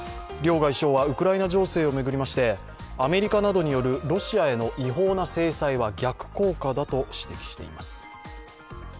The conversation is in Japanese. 両外相はウクライナ情勢を巡りましてアメリカなどによるロシアへの違法な制裁は逆効果だと指摘しています。